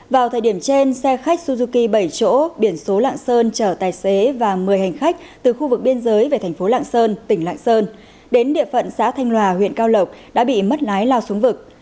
vào thời điểm trên xe khách suzuki bảy chỗ biển số lạng sơn chở tài xế và một mươi hành khách từ khu vực biên giới về thành phố lạng sơn tỉnh lạng sơn đến địa phận xã thanh lòa huyện cao lộc đã bị mất lái lao xuống vực